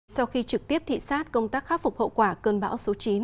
sau khi trực tiếp thị xát công tác khắc phục hậu quả cơn bão số chín